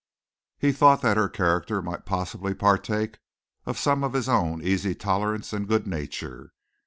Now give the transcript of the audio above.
He thought that her character might possibly partake of some of his own easy tolerance and good nature.